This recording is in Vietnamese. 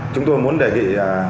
chúng tôi muốn đề nghị